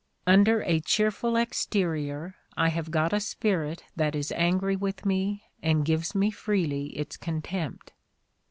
"Under a cheerful exterior I have got a spirit that is angry with me and gives me freely its contempt.